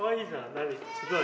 何すごい。